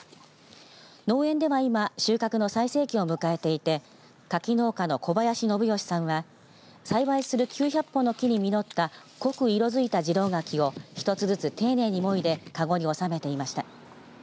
農園では今収穫の最盛期を迎えていて柿農家の小林伸嘉さんは栽培する９００本の木に実った濃く色づいた次郎柿を１つずつ丁寧にもいでかごに収めていました。